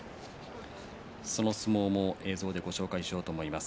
その相撲も映像でご紹介しようと思います。